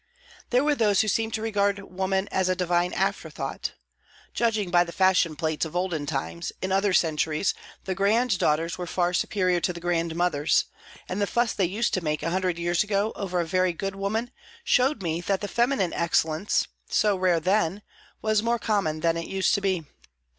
There were those who seemed to regard woman as a Divine afterthought. Judging by the fashion plates of olden times, in other centuries, the grand daughters were far superior to the grand mothers, and the fuss they used to make a hundred years ago over a very good woman showed me that the feminine excellence, so rare then, was more common than it used to be.